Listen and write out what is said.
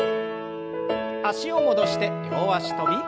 脚を戻して両脚跳び。